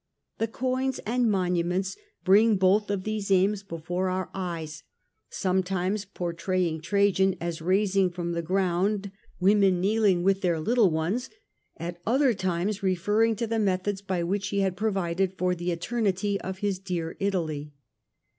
The coins and monuments bring both of these aims before our eyes, sometimes portraying Trajan as raising from the ground women kneeling with their little 20 The Age of the Antonines, a.d. ones, at other times referring to the methods by which he had provided for the eternity of his dear Italy.